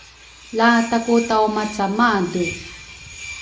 La taku tawmaca madu